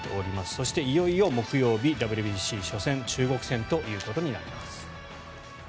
そして、いよいよ木曜日ＷＢＣ初戦中国戦ということになります。